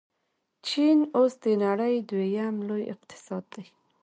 چین اوس د نړۍ دویم لوی اقتصاد دی.